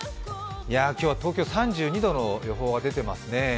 今日は東京３２度の予報が出てますね。